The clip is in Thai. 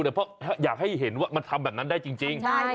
เพราะอยากให้เห็นว่ามันทำแบบนั้นได้จริง